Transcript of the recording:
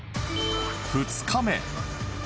２日目